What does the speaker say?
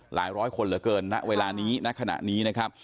ร้อยคนเหลือเกินณเวลานี้ณขณะนี้นะครับ